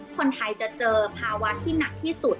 คนไทยจะเจอภาวะที่หนักที่สุด